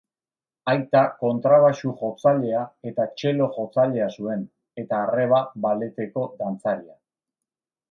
Aita kontrabaxu-jotzailea eta txelo-jotzailea zuen, eta arreba balleteko dantzaria.